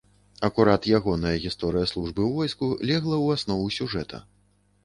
Акурат ягоная гісторыя службы ў войску легла ў аснову сюжэта.